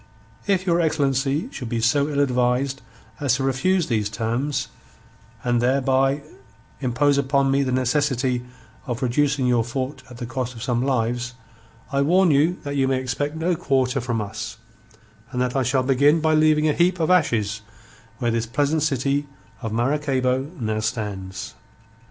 If your excellency should be so ill advised as to refuse these terms, and thereby impose upon me the necessity of reducing your fort at the cost of some lives, I warn you that you may expect no quarter from us, and that I shall begin by leaving a heap of ashes where this pleasant city of Maracaybo now stands."